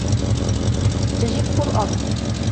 تَجِفُّ الْأرْضُ.